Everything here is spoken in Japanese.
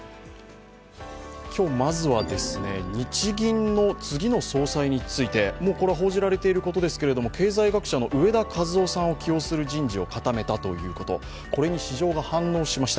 今日まずは日銀の次の総裁について、もうこれは報じられていることですけれども経済学者の植田和男さんを起用する人事を固めたということ、これに市場が反応しました。